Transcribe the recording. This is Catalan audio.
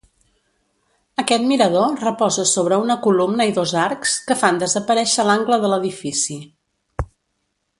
Aquest mirador reposa sobre una columna i dos arcs, que fan desaparèixer l'angle de l'edifici.